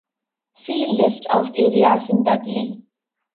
"See List of areas in Dudley"